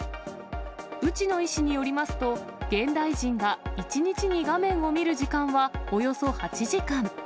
内野医師によりますと、現代人が１日に画面を見る時間は、およそ８時間。